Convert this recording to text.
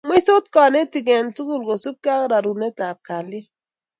mweisot kanetik eng kotugul kosubgei ak rorunetab kalyet